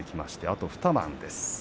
あと２番です。